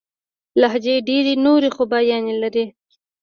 لهجې ډېري نوري خوباياني لري.